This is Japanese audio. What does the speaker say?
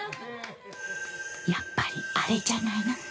やっぱりあれじゃないの？